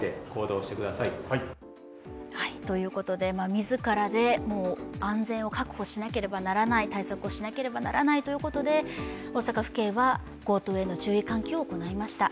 自ら安全を確保しなければならないということで大阪府警は強盗への注意喚起を行いました。